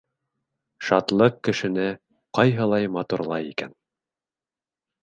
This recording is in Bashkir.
Шатлыҡ кешене ҡайһылай матурлай икән!